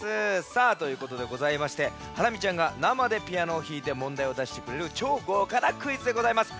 さあということでございましてハラミちゃんがなまでピアノをひいてもんだいをだしてくれるちょうごうかなクイズでございます。